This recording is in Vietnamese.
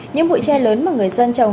những bụi tre lớn mà người dân trồng